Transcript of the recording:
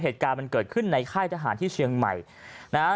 เหตุการณ์มันเกิดขึ้นในค่ายทหารที่เชียงใหม่นะฮะ